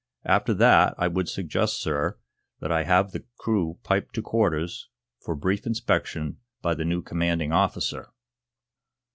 After that I would suggest, sir, that I have the crew piped to quarters for brief inspection by the new commanding officer."